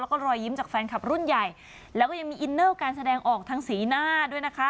แล้วก็รอยยิ้มจากแฟนคลับรุ่นใหญ่แล้วก็ยังมีอินเนอร์การแสดงออกทางสีหน้าด้วยนะคะ